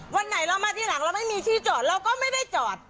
วันไหนเรามาที่หลังเราไม่มีที่จอดเราก็ไม่ได้จอด